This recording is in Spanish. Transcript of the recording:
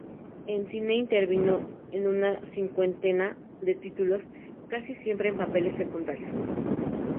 En cine intervino en una cincuentena de títulos, casi siempre en papeles secundarios.